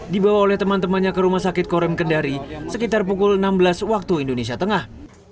dibawa oleh teman temannya ke rumah sakit korem kendari sekitar pukul enam belas waktu indonesia tengah